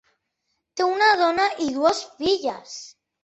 Té una dona i dues filles.